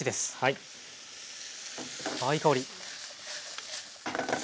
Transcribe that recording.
あいい香り。